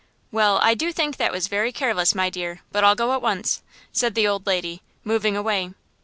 "Well, I do think that was very careless, my dear; but I'll go at once," said the old lady, moving away.